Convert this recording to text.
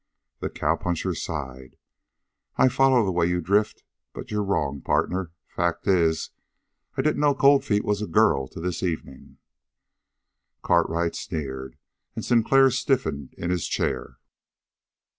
The cowpuncher sighed. "I follow the way you drift. But you're wrong, partner. Fact is, I didn't know Cold Feet was a girl till this evening." Cartwright sneered, and Sinclair stiffened in his chair.